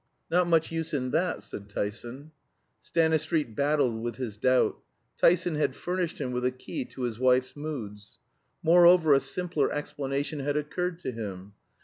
"Not much use in that," said Tyson. Stanistreet battled with his doubt. Tyson had furnished him with a key to his wife's moods. Moreover, a simpler explanation had occurred to him.